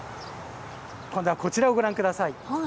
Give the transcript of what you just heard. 今度はこちらをご覧ください。